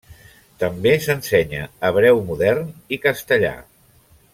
També s'ensenya hebreu modern i castellà.